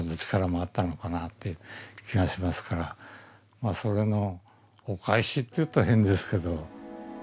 まあそれのお返しって言うと変ですけど。